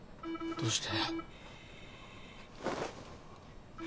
どうして！